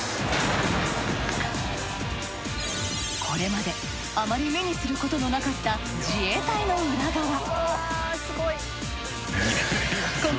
これまであまり目にすることのなかった自衛隊の裏側。